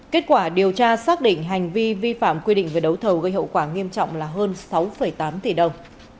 kết quả điều tra xác định hành vi vi phạm quy định về đấu thầu gây hậu quả nghiêm trọng là hơn sáu tám tỷ đồng